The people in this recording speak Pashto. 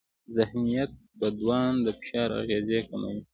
ذهنیت بدلون د فشار اغېزې کموي.